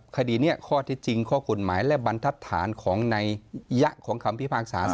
คดีนี้ข้อที่จริงข้อกฎหมายและบรรทัศน์ของในยะของคำพิพากษา